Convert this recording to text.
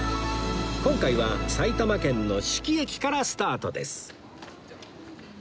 今回は埼玉県の志木駅からスタートです